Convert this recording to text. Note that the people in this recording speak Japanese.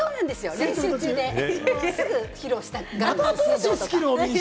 練習中で、すぐ披露したくなるの。